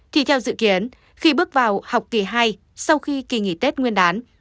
thì theo dự kiến khi bước vào học kỳ hai sau khi kỳ nghỉ tết nguyên đán